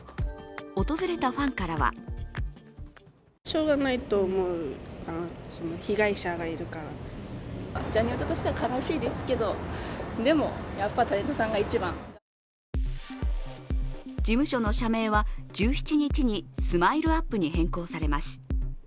訪れたファンからは事務所の社名は、１７日にＳＭＩＬＥ−ＵＰ．に変更されます。